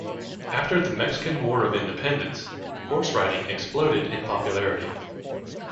After the Mexican War of Independence, horse riding exploded in popularity.